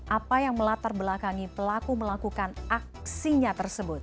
apa yang melatar belakangi pelaku melakukan aksinya tersebut